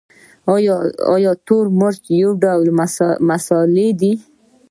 تور مرچ یو ډول مسالې دي